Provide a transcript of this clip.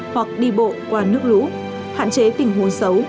hoặc đi bộ qua nước lũ hạn chế tình huống xấu